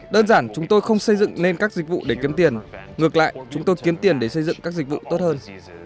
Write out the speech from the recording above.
đơn giản chúng tôi không xây dựng nên các dịch vụ để kiếm tiền ngược lại chúng tôi kiếm tiền để xây dựng các dịch vụ tốt hơn